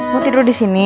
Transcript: mau tidur disini